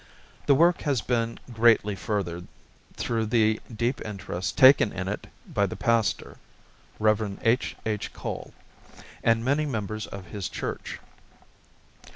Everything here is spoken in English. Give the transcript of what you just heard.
The work has been greatly furthered through the deep interest taken in it by the pastor, Rev. H.H. Cole, and many members of his church.